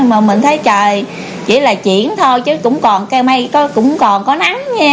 mà mình thấy trời chỉ là chuyển thôi chứ cũng còn cây mây cũng còn có nắng nghe